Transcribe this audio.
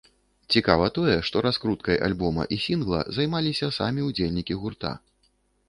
Цікава тое, што раскруткай альбома і сінгла займаліся самі ўдзельнікі гурта.